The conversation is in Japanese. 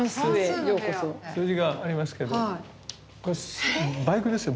数字がありますけどこれバイクですよ